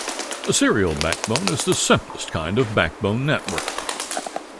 A serial backbone is the simplest kind of backbone network.